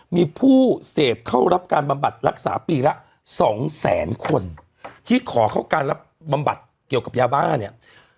มีผู้เสพเข้ารับการบำบัดรักษาปีละสองแสนคนที่ขอเข้าการรับบำบัดเกี่ยวกับยาบ้าเนี่ย